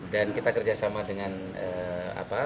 dan kita kerjasama dengan pemilik lembaran